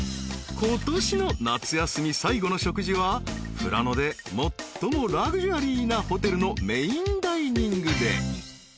［ことしの『夏休み』最後の食事は富良野で最もラグジュアリーなホテルのメインダイニングで］